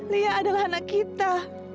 liat adalah anak kita